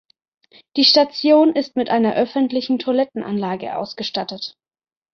Die Station ist mit einer öffentlichen Toilettenanlage ausgestattet.